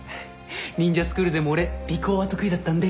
忍者スクールでも俺尾行は得意だったんで。